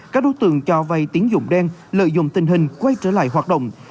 các đối tượng cho vay tiến dụng đen lợi dụng tình hình quay trở lại hoạt động